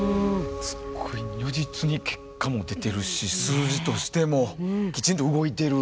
すっごい如実に結果も出てるし数字としてもきちんと動いてる。